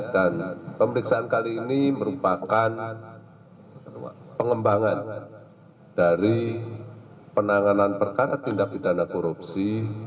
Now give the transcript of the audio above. dan pemeriksaan kali ini merupakan pengembangan dari penanganan perkara tindak pidana korupsi